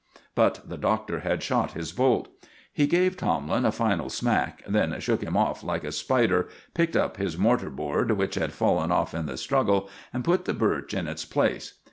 But the Doctor had shot his bolt. He gave Tomlin a final smack, then shook him off like a spider, picked up his mortar board, which had fallen off in the struggle, and put the birch in its place.